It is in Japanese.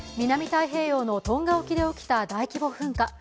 南太平洋のトンガ沖で起きた大規模噴火。